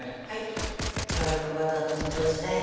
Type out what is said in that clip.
ガーリックバターってほんとですね